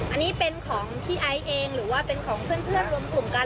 อันนี้เป็นของพี่ไอซ์เองหรือว่าเป็นของเพื่อนรวมกลุ่มกัน